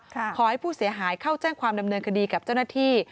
ขอให้ผู้เสียหายเข้าแจ้งความดำเนินคดีกับเจ้าหน้าที่